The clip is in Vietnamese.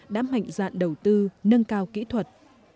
đã mạnh dạn đầu tư nâng cao kỹ thuật